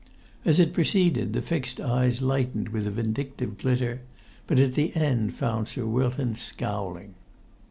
As it proceeded the fixed eyes lightened with a vindictive glitter; but the end found Sir Wilton scowling.